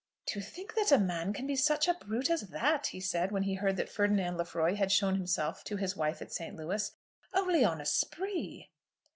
"To think that a man can be such a brute as that," he said, when he heard that Ferdinand Lefroy had shown himself to his wife at St. Louis, "only on a spree."